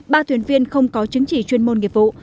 ba thuyền viên không có chứng chỉ chuyên môn nghiệp vụ